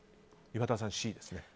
岩田さん、Ｃですね。